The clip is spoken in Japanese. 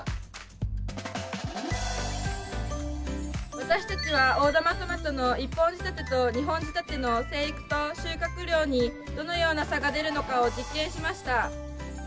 私たちは大玉トマトの１本仕立てと２本仕立ての生育と収穫量にどのような差が出るのかを実験しました。